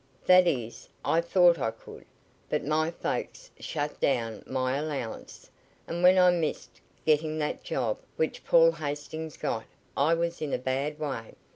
"That is, I thought I could, but my folks shut down can my allowance, and when I missed getting that job which Paul Hastings got I was in a bad way.